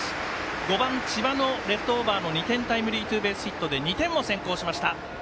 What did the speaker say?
５番、千葉のレフトオーバーの２点タイムリーで２点を先行しました。